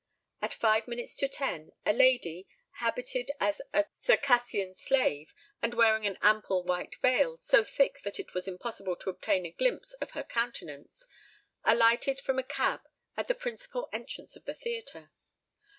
At five minutes to ten, a lady, habited as a Circassian slave, and wearing an ample white veil, so thick that it was impossible to obtain a glimpse of her countenance, alighted from a cab at the principal entrance of the theatre.